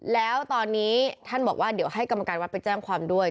แล้วตอนนี้ท่านบอกว่าเดี๋ยวให้กรรมการวัดไปแจ้งความด้วย